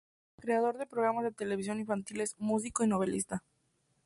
Creador de programas de televisión infantiles, músico y novelista.